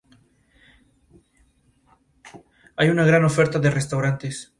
Hay gran oferta de restaurantes.